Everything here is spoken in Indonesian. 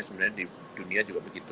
sebenarnya di dunia juga begitu